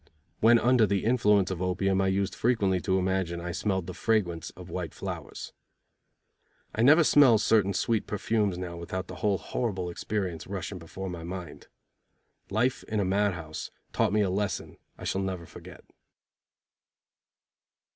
When under the influence of opium I used frequently to imagine I smelled the fragrance of white flowers. I never smell certain sweet perfumes now without the whole horrible experience rushing before my mind. Life in a mad house taught me a lesson I shall never forget.